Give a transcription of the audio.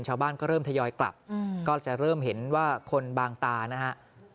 ชาวบ้านก็เริ่มทยอยกลับก็จะเริ่มเห็นว่าคนบางตานะฮะ